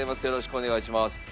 よろしくお願いします。